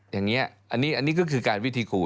อย่างนี้อันนี้ก็คือการวิธีขู่